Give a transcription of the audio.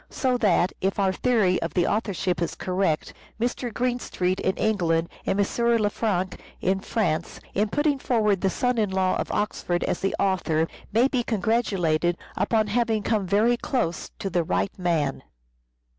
So that, if our theory of the authorship is correct, Mr. Greenstreet in England and M. Lefranc in France, in putting forward the son in law of Oxford as the author, may be congratulated upon having come very close to the right man.